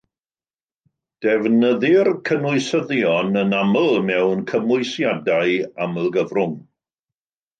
Defnyddir cynwysyddion yn aml mewn cymwysiadau amlgyfrwng.